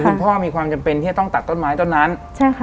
คุณพ่อมีความจำเป็นที่จะต้องตัดต้นไม้ต้นนั้นใช่ค่ะ